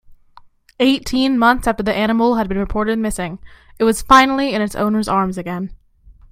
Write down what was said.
Eighteen months after the animal has been reported missing it was finally in its owner's arms again.